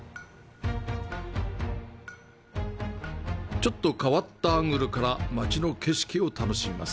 ちょっと変わったアングルから町の景色を楽しみます。